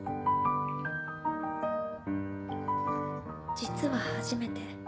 実は初めて。